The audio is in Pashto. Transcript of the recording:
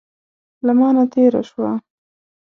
له مانه تېره شوه.